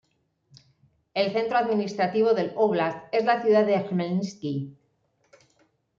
El centro administrativo del óblast es la ciudad de Jmelnitski.